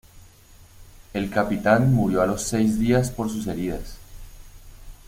El capitán murió a los seis días por sus heridas.